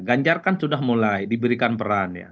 ganjar kan sudah mulai diberikan peran ya